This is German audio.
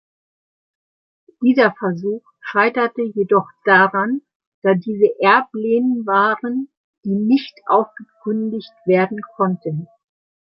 Dieser Versuch scheiterte jedoch daran, da diese Erblehen waren die nicht aufgekündigt werden konnten.